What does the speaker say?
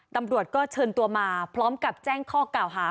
ตำรวจก็เชิญตัวมาพร้อมกับแจ้งข้อกล่าวหา